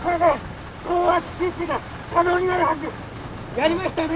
やりましたね！